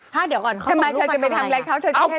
ถ้าเดี๋ยวก่อนเขาบินลูกอะไรนะคือใช่หรือเปล่าทำไมเธอไปทำอะไร